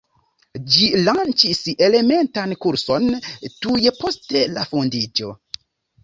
Ĝi lanĉis elementan kurson tuj post la fondiĝo.